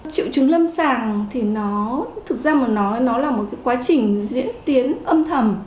triệu chứng lâm sàng thì nó thực ra mà nói nó là một cái quá trình diễn tiến âm thầm